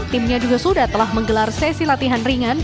timnya juga sudah telah menggelar sesi latihan ringan